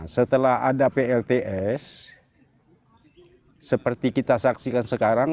setelah ada plts seperti kita saksikan sekarang